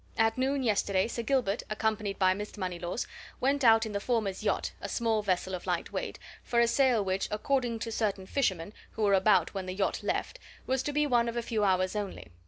At noon yesterday, Sir Gilbert, accompanied by Mr. Moneylaws, went out in the former's yacht (a small vessel of light weight) for a sail which, according to certain fishermen who were about when the yacht left, was to be one of a few hours only.